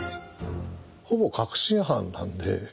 ほぼ確信犯なんで。